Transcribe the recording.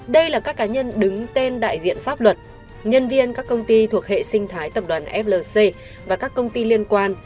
đây là các cá nhân đứng tên đại diện pháp luật nhân viên các công ty thuộc hệ sinh thái tập đoàn flc và các công ty liên quan